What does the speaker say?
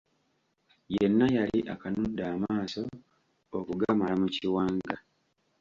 Yenna yali akanudde amaaso okugamala mu kiwanga.